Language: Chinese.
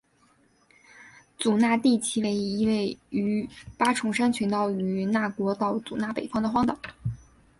祖纳地崎为一位于八重山群岛与那国岛祖纳北方的荒岛。